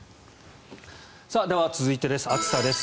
では、続いて暑さです。